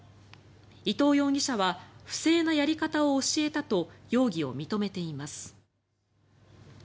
伊藤容疑者は不正なやり方を教えたと容疑を認めています。